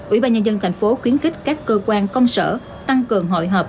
ủy ban nhà dân thành phố khuyến kích các cơ quan công sở tăng cường hội hợp